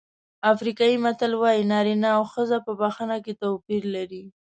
افریقایي متل وایي نارینه او ښځه په بښنه کې توپیر لري.